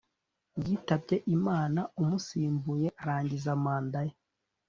yitabye Imana umusimbuye arangiza manda ye